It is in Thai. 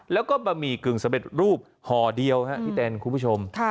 แล้วก็บะหมี่กึ่ง๑๑รูปหอเดียวครับพี่แตนคุณผู้ชม